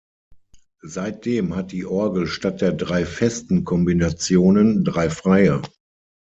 Seitdem hat die Orgel statt der drei festen Kombinationen drei freie.